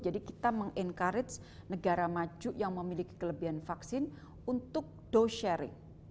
jadi kita meng encourage negara maju yang memiliki kelebihan vaksin untuk do sharing